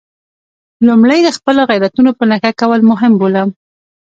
لومړی د خپلو غیرتونو په نښه کول مهم بولم.